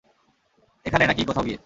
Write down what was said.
এখানে, নাকি কোথাও গিয়ে?